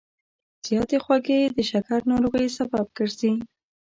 زیاتې خوږې د شکر ناروغۍ سبب ګرځي.